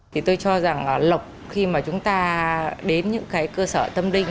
thì tôi cho rằng lộc khi mà chúng ta đến những cái cơ sở tâm linh